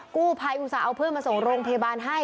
กู้ภัยอุตส่าห์เอาเพื่อนมาส่งโรงพยาบาลให้